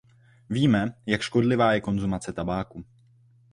Víme, jak škodlivá je konzumace tabáku.